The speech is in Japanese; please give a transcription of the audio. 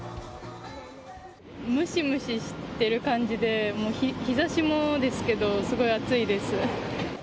ムシムシしてる感じで、もう日ざしもですけど、すごい暑いです。